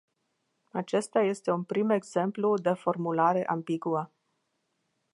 Acesta este un prim exemplu de formulare ambiguă.